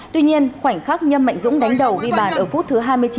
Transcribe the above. tuy nhiên khoảnh khắc nhâm mạnh dũng đánh đầu ghi bàn ở phút thứ hai mươi chín